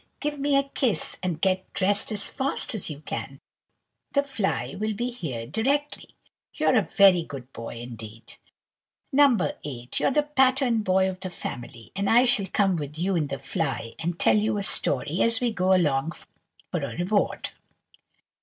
give me a kiss, and get dressed as fast as you can. The fly will be here directly. You're a very good boy indeed." "No. 8, you're the pattern boy of the family, and I shall come with you in the fly, and tell you a story as we go along for a reward."